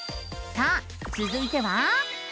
さあつづいては。